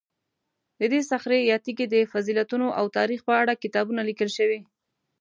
د دې صخرې یا تیږې د فضیلتونو او تاریخ په اړه کتابونه لیکل شوي.